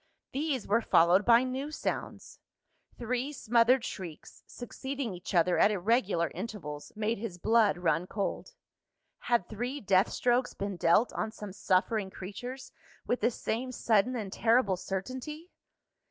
These were followed by new sounds. Three smothered shrieks, succeeding each other at irregular intervals, made his blood run cold. Had three death strokes been dealt on some suffering creatures, with the same sudden and terrible certainty?